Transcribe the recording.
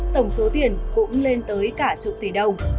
tổng số tiền cũng lên tới cả chục tỷ đồng